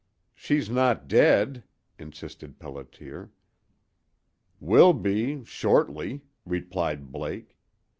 "She's not dead?" insisted Pelliter. "Will be shortly," replied Blake.